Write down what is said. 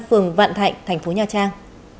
phường vạn thạnh thành phố nha trang